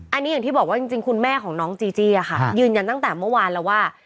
อันนี้อย่างที่บอกว่าจริงคุณแม่ของน้องจีจี้ค่ะยืนยันตั้งแต่เมื่อวานแล้วว่า